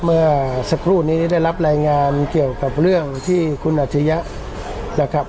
เมื่อสักครู่นี้ได้รับรายงานเกี่ยวกับเรื่องที่คุณอัจฉริยะนะครับ